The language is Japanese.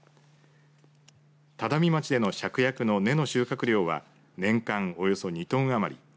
只見町でのシャクヤクの根の収穫量は年間およそ２トン余り。